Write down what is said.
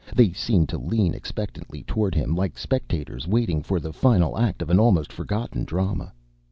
They seemed to lean expectantly toward him, like spectators waiting for the final act of an almost forgotten drama.